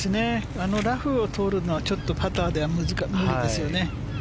ラフを通るのはちょっとパターでは無理ですね。